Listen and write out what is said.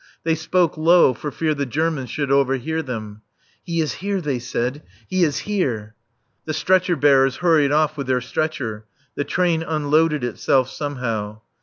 They spoke low, for fear the Germans should overhear them. "He is here," they said; "he is here." The stretcher bearers hurried off with their stretcher. The train unloaded itself somehow.